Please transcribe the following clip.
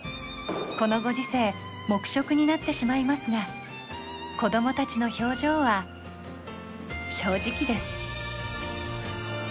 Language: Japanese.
このご時世黙食になってしまいますが子どもたちの表情は正直です。